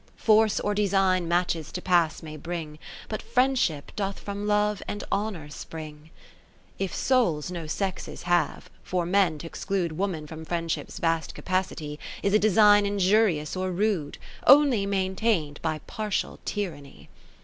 Force or Design matches to pass may bring, But Friendship doth from Love and Honour spring. ( 561 ) O IV If souls no sexes have, for men t' exclude Woman from Friendship's vast capacity, 20 Is a design injurious or rude, Onlymaintain'd by partial tyranny.